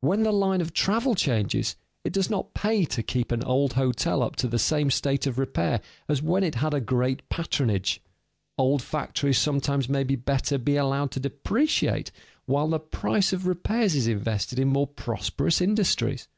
When the line of travel changes, it does not pay to keep an old hotel up to the same state of repair as when it had a great patronage. Old factories sometimes may better be allowed to depreciate while the price of repairs is invested in more prosperous industries.